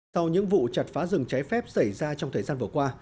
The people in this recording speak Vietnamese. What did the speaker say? sau những vụ chặt phá rừng cháy phép xảy ra trong thời gian vừa qua